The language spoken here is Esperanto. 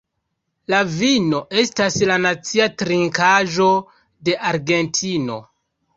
La vino estas la nacia trinkaĵo de Argentino.